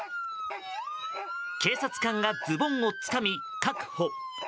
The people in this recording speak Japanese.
警察官がズボンをつかみ確保。